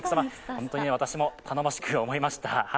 本当に私も頼もしく思いました。